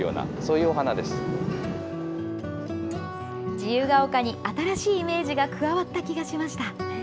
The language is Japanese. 自由が丘に新しいイメージが加わった気がしました。